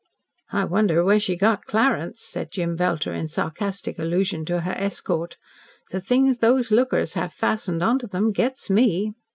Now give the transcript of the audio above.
"I wonder where she got Clarence?" said Jem Belter in sarcastic allusion to her escort. "The things those lookers have fastened on to them gets ME."